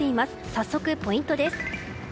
早速、ポイントです。